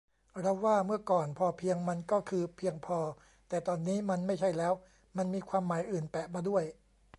เราว่า เมื่อก่อน พอเพียง มันก็คือ เพียงพอ แต่ตอนนี้มันไม่ใช่แล้ว มันมีความหมายอื่นแปะมาด้วย